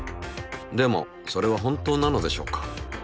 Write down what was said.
でもそれは本当なのでしょうか。